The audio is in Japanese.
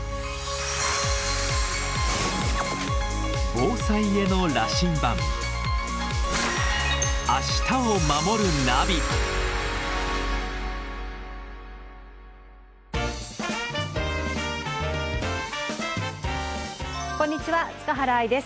防災への羅針盤こんにちは塚原愛です。